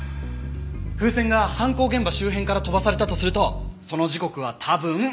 風船が犯行現場周辺から飛ばされたとするとその時刻は多分。